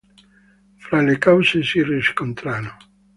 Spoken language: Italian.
Fra le cause si riscontrano.